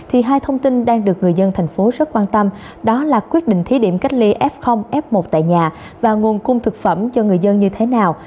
thì hai thông tin đang được người dân thành phố rất quan tâm đó là quyết định thí điểm cách ly f f một tại nhà và nguồn cung thực phẩm cho người dân như thế nào